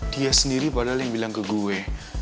dia sendiri padahal yang bilang ke gue